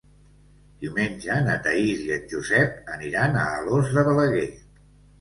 Diumenge na Thaís i en Josep aniran a Alòs de Balaguer.